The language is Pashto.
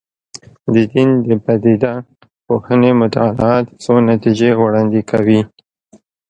د دین د پدیده پوهنې مطالعات څو نتیجې وړاندې کوي.